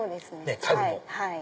家具も。